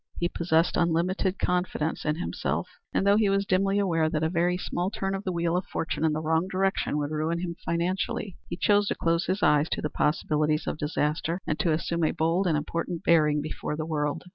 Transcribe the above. He possessed unlimited confidence in himself, and though he was dimly aware that a very small turn of the wheel of fortune in the wrong direction would ruin him financially, he chose to close his eyes to the possibilities of disaster and to assume a bold and important bearing before the world.